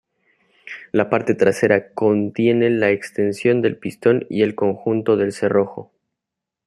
La parte trasera contiene la extensión del pistón y el conjunto del cerrojo.